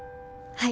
はい。